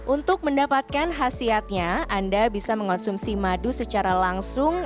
untuk mendapatkan khasiatnya anda bisa mengonsumsi madu secara langsung